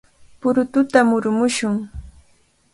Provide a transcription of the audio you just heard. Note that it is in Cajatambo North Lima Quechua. ¡Purututa murumushun!